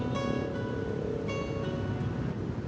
tapi mak udah udah bilang